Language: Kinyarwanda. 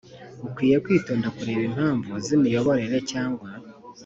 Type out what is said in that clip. Ukwiye kwitonda kubera impamvu z ‘imiyoborere cyangwa